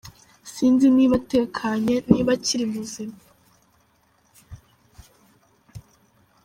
"Sinzi niba atekanye, niba akiri muzima.